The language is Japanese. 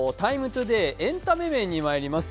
「ＴＩＭＥ，ＴＯＤＡＹ」エンタメ面にまいります。